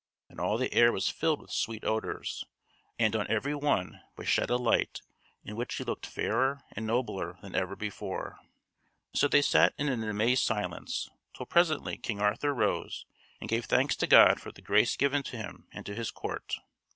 And all the air was filled with sweet odours, and on every one was shed a light in which he looked fairer and nobler than ever before. So they sat in an amazed silence, till presently King Arthur rose and gave thanks to God for the grace given to him and to his court.